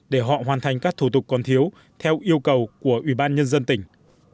để họ hoàn thành các thủ tục còn thiếu theo yêu cầu của ủy ban nhân dân tỉnh